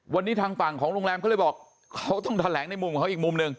วันนี้ทางฝั่งของโรงแรมเขาเลยบอกเขาต้องแถลงในมุมของเขาอีกมุมหนึ่ง